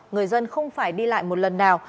người dân không phải đi lại một lần nào